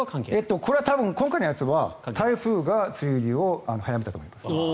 これは今回のやつは台風が梅雨入りを早めたと思います。